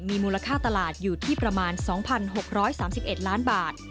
มีมูลค่าตลาดอยู่ที่ประมาณ๒๖๓๑ล้านบาท